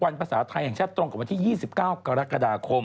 ภาษาไทยแห่งชาติตรงกับวันที่๒๙กรกฎาคม